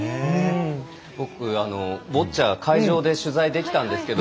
僕、ボッチャ会場で取材できたんですけど